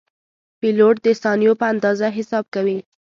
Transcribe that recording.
پیلوټ د ثانیو په اندازه حساب کوي.